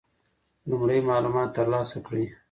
لومړی معلومات ترلاسه کړئ.